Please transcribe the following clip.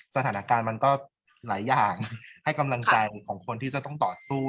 สถานการณ์มันก็หลายอย่างให้กำลังใจของคนที่จะต้องต่อสู้